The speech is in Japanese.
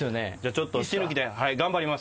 ちょっと死ぬ気で頑張ります。